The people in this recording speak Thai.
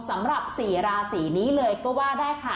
สำหรับ๔ราศีนี้เลยก็ว่าได้ค่ะ